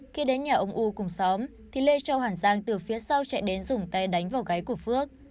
khi đến nhà ông u cùng xóm thì lê châu hàn giang từ phía sau chạy đến dùng tay đánh vào gái của phước